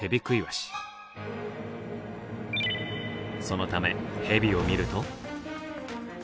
そのためヘビを見ると。